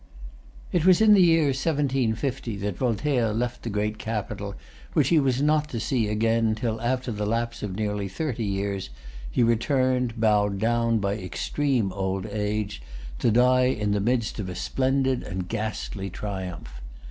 It was in the year 1750 that Voltaire left the great capital, which he was not to see again till, after the lapse of near thirty years, he returned, bowed down by extreme old age, to die in the midst of a splendid and ghastly triumph.